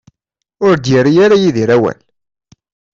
Ur d-yerri ara Yidir awal.